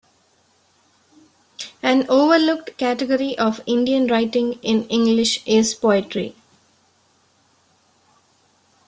An overlooked category of Indian writing in English is poetry.